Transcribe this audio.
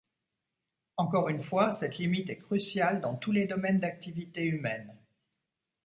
Encore une fois, cette limite est cruciale dans tous les domaines d'activité humaine.